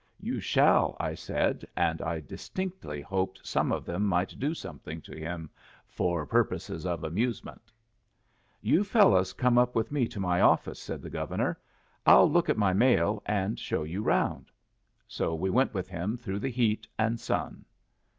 "You shall," I said; and I distinctly hoped some of them might do something to him "for purposes of amusement." "You fellows come up with me to my office," said the Governor. "I'll look at my mail, and show you round." So we went with him through the heat and sun.